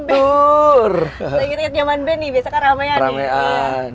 atau inget zaman zaman